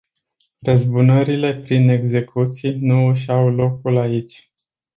Răzbunările prin execuții nu își au locul aici.